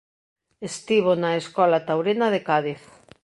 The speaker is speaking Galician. Estivo na Escola Taurina de Cádiz.